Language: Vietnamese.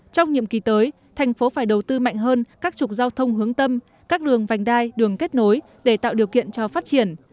trong nhiệm kỳ tới thành phố phải đầu tư mạnh hơn các trục giao thông hướng tâm các đường vành đai đường kết nối để tạo điều kiện cho phát triển